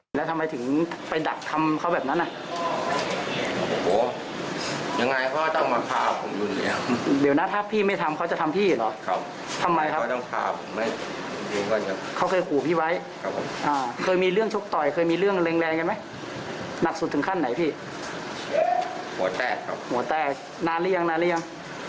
หนักสุดถึงขั้นไหนพี่หัวแต้ครับหัวแต้นานหรือยังนานหรือยัง